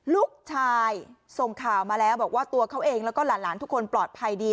ลูกชายส่งข่าวมาแล้วบอกว่าตัวเขาเองแล้วก็หลานทุกคนปลอดภัยดี